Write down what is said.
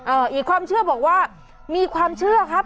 อีกความเชื่อบอกว่ามีความเชื่อครับ